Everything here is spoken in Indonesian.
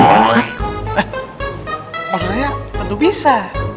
eh maksudnya tentu bisa